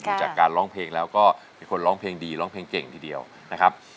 จากการร้องเพลงแล้วก็เป็นคนร้องเพลงดีร้องเพลงเก่งทีเดียวนะครับ